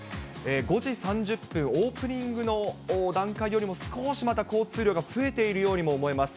５時３０分、オープニングの段階よりも少しまた交通量が増えているようにも思えます。